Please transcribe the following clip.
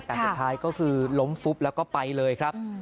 แต่สุดท้ายก็คือล้มฟุบแล้วก็ไปเลยครับ